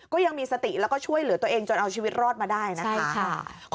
ก็ยังมีสติแล้วก็ช่วยเหลือตัวเองจนเอาชีวิตรอดมาได้นะคะ